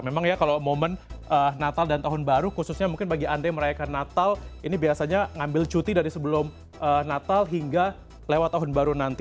memang ya kalau momen natal dan tahun baru khususnya mungkin bagi anda yang merayakan natal ini biasanya ngambil cuti dari sebelum natal hingga lewat tahun baru nanti